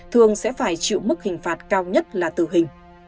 thường sẽ phải chịu mức hình phạt cao nhất là tử hình